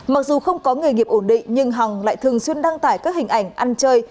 mặc dù không có nghề nghiệp ổn định nhưng hằng lại thường xuyên đăng tải các hình ảnh ăn chơi